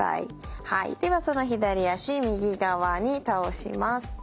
はいではその左脚右側に倒します。